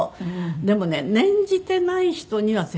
でもね念じてない人には絶対ないね。